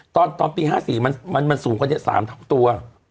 ตอนปี๕๔มันสูงกว่านี้๓เท่าตัว